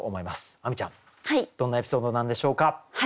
亜美ちゃんどんなエピソードなんでしょうか？